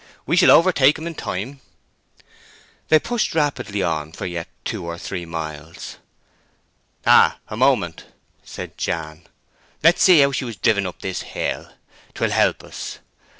"We shall overtake him in time." They pushed rapidly on for yet two or three miles. "Ah! a moment," said Jan. "Let's see how she was driven up this hill. 'Twill help us."